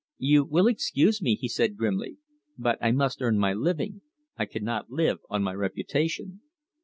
"You will excuse me," he said grimly, "but I must earn my living. I cannot live on my reputation."